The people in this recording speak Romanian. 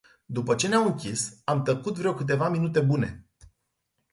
După ce ne-au închis, am tăcut vreo câteva minute bune